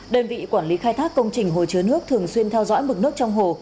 đơn vị quản lý khai thác công trình hồ chứa nước thường xuyên theo dõi mực nước trong hồ